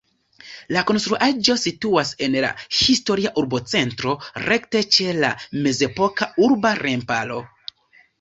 La konstruaĵo situas en la historia urbocentro, rekte ĉe la mezepoka urba remparo.